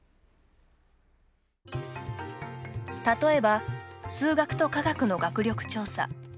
例えば、数学と科学の学力調査。